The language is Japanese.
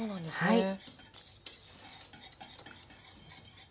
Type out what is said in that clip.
はい。